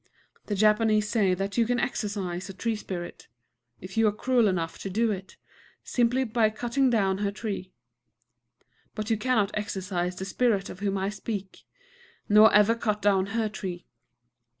The Japanese say that you can exorcise a tree spirit, if you are cruel enough to do it, simply by cutting down her tree. But you cannot exorcise the Spirit of whom I speak, nor ever cut down her tree.